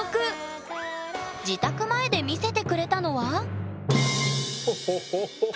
自宅前で見せてくれたのはホホホホ。